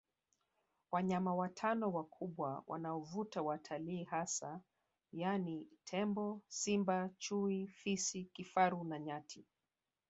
Wanyama watano wakubwa wanaovuta watalii hasa yaani tembo Simba Chui Fisi Kifaru na Nyati